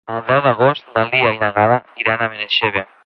El deu d'agost na Lia i na Gal·la iran a Benaixeve.